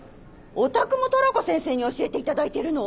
おたくもトラコ先生に教えていただいてるの？